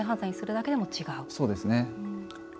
そうですね。